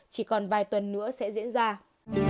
cảm ơn các bạn đã theo dõi và hẹn gặp lại